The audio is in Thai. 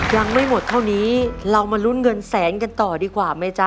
ยังไม่หมดเท่านี้เรามาลุ้นเงินแสนกันต่อดีกว่าไหมจ๊ะ